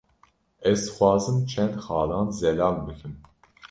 Ez dixwazim çend xalan zelal bikim